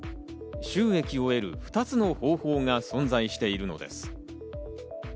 収益を得る２つの方法が存在しているのです。